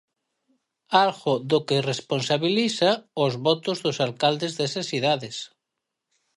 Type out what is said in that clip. Algo do que responsabiliza os votos dos alcaldes desas cidades.